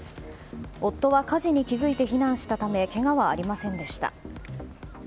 夫は火事に気付いて避難したためけがはありませんでした。